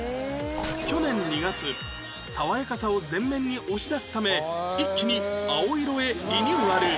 去年２月爽やかさを前面に押し出すため一気に青色へリニューアル